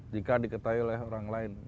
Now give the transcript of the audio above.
jika diketahui oleh orang lain